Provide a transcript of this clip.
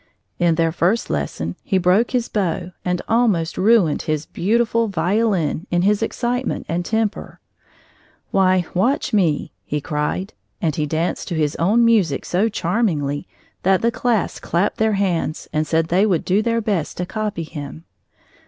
In their first lesson he broke his bow and almost ruined his beautiful violin in his excitement and temper. "Why, watch me," he cried, and he danced to his own music so charmingly that the class clapped their hands and said they would do their best to copy him.